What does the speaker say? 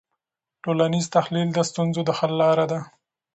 ټولنیز تحلیل د ستونزو د حل لاره ده.